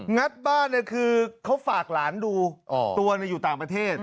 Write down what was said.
งัดบ้านคือเขาฝากหลานดูตัวอยู่ต่างประเทศ